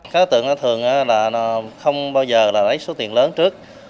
các tượng thường không bao giờ lấy số tiền lớn trước